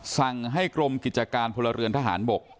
สั่งให้กรมกิจการพลเรือนทหารบก